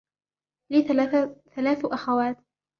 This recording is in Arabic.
لي ثلاث أخوات.